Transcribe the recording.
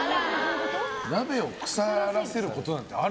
鍋を腐らせることなんてある？